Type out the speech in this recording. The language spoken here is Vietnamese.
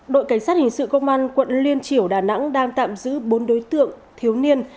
đội cảnh sát hình sự công an quận liên triểu đà nẵng đang tạm giữ bốn đối tượng thiếu niên